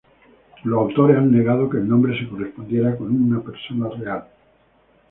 Los autores han negado que el nombre se correspondiera con una persona real.